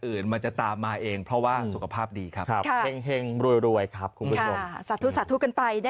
อื่นมันจะตามมาเองเพราะว่าสุขภาพดีครับซากทุกกันไปนะ